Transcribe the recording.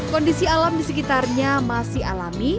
kondisi alam di sekitarnya masih alami